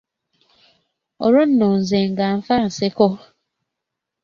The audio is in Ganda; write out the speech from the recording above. Olwo nno nze nga nfa nseko.